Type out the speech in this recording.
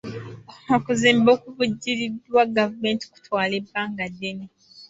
Okuzimba okuvvujjiriddwa gavumenti kutwala ebbanga ddene.